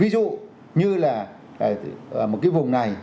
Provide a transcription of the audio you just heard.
ví dụ như là một cái vùng này